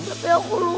tapi aku lupa